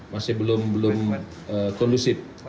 masih belum kondusif